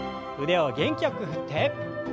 腕を元気よく振って。